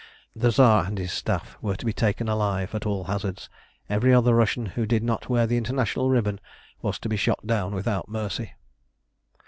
The Tsar and his Staff were to be taken alive at all hazards; every other Russian who did not wear the International ribbon was to be shot down without mercy.